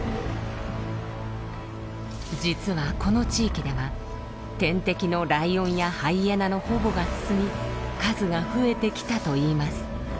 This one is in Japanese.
実はこの地域では天敵のライオンやハイエナの保護が進み数が増えてきたといいます。